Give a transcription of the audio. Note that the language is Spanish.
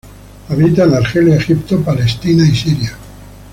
Habita en Argelia, Egipto, Israel y Siria.